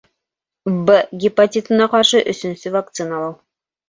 В гепатитына ҡаршы өсөнсө вакциналау